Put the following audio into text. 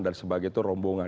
dan sebagainya itu rombongan